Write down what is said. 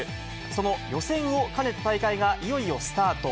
その予選を兼ねた大会がいよいよスタート。